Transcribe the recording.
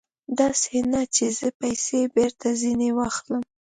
داسې نه چې زه پیسې بېرته ځنې واخلم.